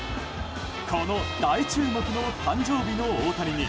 この大注目の誕生日の大谷に